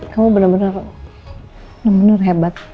kamu benar benar hebat